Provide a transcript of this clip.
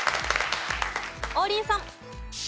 王林さん。